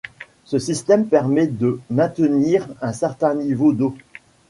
Ce système permet de maintenir un certain niveau d'eau.